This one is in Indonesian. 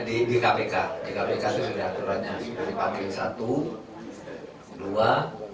di kpk di kpk itu sudah ada aturannya